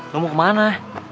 lo mau kemana